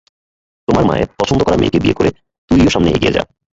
তোমার মায়ের পছন্দ করা মেয়েকে বিয়ে করে, তুইও সামনে এগিয়ে যা।